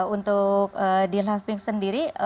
untuk di love sping sendiri